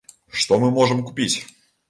Што мы можам купіць?